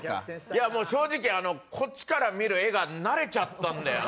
いやもう正直あのこっちから見る画が慣れちゃったんだよね。